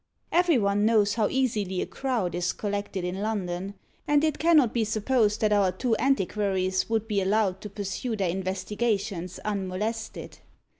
Every one knows how easily a crowd is collected in London, and it cannot be supposed that our two antiquaries would be allowed to pursue their investigations unmolested.